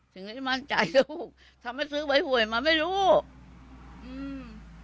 ถึงได้มั่นใจดูถ้าไม่ซื้อไว้ห่วยมาไม่รู้อืม